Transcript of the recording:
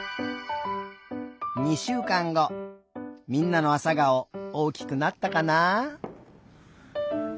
みんなのあさがおおおきくなったかなあ。